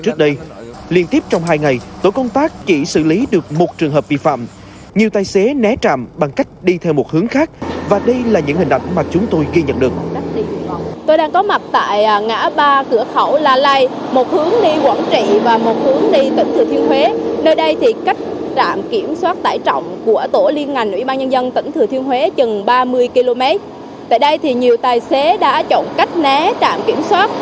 tại đây thì nhiều tài xế đã chọn cách né trạm kiểm soát bằng cách đi đường vòng qua huyện đa cờ rồng của tỉnh quảng trị